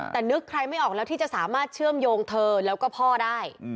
แต่นึกใครไม่ออกแล้วที่จะสามารถเชื่อมโยงเธอแล้วก็พ่อได้